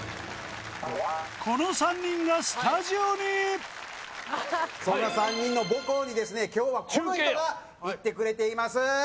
この３人がスタジオにそんな３人の母校にですね今日はこの人が行ってくれています